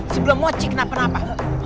sebelum mochi kenapa kenapa